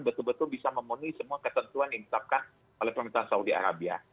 betul betul bisa memenuhi semua ketentuan yang ditetapkan oleh pemerintahan saudi arabia